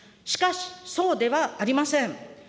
しかし、そうではありません。